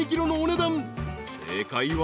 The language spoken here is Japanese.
［正解は］